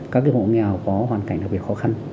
các hộ nghèo có hoàn cảnh đặc biệt khó khăn